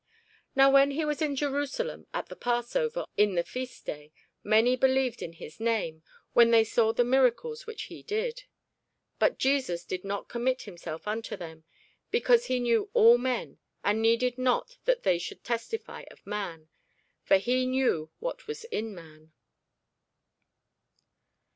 Now when he was in Jerusalem at the passover, in the feast day, many believed in his name, when they saw the miracles which he did. But Jesus did not commit himself unto them, because he knew all men, and needed not that any should testify of man: for he knew what was in man.